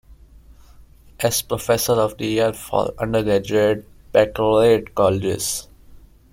S. Professor of the Year for undergraduate baccalaureate colleges.